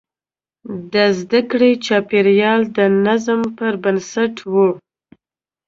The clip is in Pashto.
د زده کړې چاپېریال د نظم پر بنسټ و.